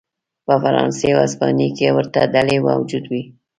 په فرانسې او هسپانیې کې ورته ډلې موجود وې.